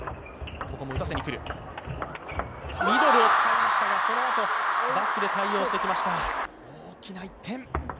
ミドルを使いましたがそのあとバックで対応してきました。